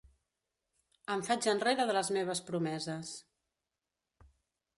Em faig enrere de les meves promeses.